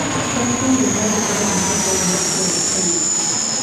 پاچا له لوبغاړو سره د هر ډول مرستې غوښتنه وکړه .